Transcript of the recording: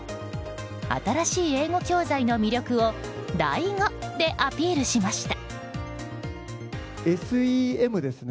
新しい英語教材の魅力をＤＡＩ語でアピールしました。